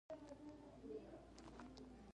ای ای ته بيا ووی اوس ته بيا ووی.